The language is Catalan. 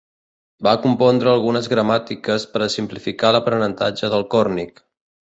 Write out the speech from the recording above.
Va compondre algunes gramàtiques per a simplificar l'aprenentatge del còrnic.